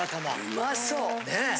うまそう。